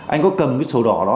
anh có cầm cái sổ đỏ đó